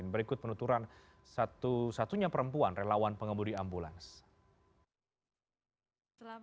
berikut penuturan satu satunya perempuan relawan pengemudi ambulans